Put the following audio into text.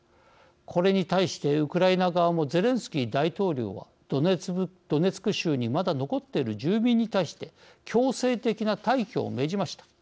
これに対してウクライナ側もゼレンスキー大統領はドネツク州にまだ残ってる住民に対して強制的な退去を命じました。